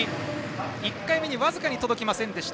１回目に僅かに届きませんでした。